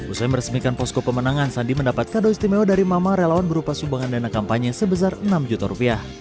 usai meresmikan posko pemenangan sandi mendapat kado istimewa dari mama relawan berupa sumbangan dana kampanye sebesar enam juta rupiah